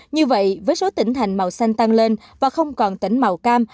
như vậy với số tỉnh thành màu xanh tăng lên và không còn tỉnh màu cam